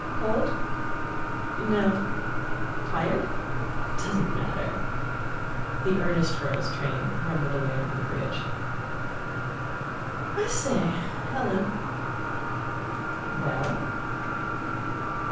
"Cold?" "No." "Tired?" "Doesn't matter." The earnest girl's train rumbled away over the bridge. "I say, Helen " "Well?"